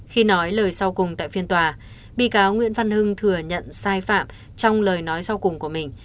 khi nói lời sau cùng tại phiên tòa bị cáo nguyễn văn hưng thừa nhận sai phạm trong lời nói sau cùng của mình